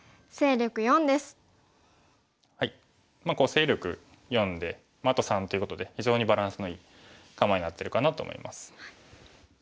勢力４であと３ということで非常にバランスのいい構えになってるかなと思います。